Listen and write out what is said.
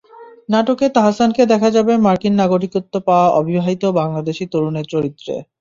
নাটকে তাহসানকে দেখা যাবে মার্কিন নাগরিকত্ব পাওয়া অবিবাহিত বাংলাদেশি তরুণের চরিত্রে।